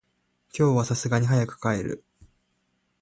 今日は流石に早く帰る。